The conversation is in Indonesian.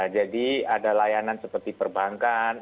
jadi ada layanan seperti perbankan